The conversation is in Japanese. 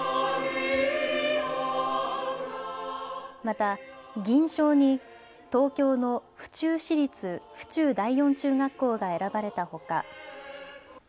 また銀賞に東京の府中市立府中第四中学校が選ばれたほか。